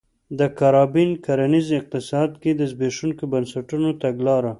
د کارابین کرنیز اقتصاد کې د زبېښونکو بنسټونو تګلاره